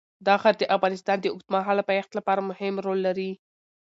دا غر د افغانستان د اوږدمهاله پایښت لپاره مهم رول لري.